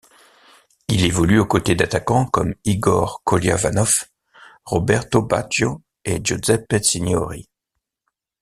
Il évolue aux côtés d'attaquants comme Igor Kolyvanov, Roberto Baggio et Giuseppe Signori.